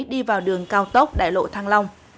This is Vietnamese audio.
đi vào đường cao tốc đại lộ thăng long